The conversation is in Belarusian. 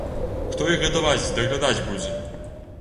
Хто іх гадаваць, даглядаць будзе?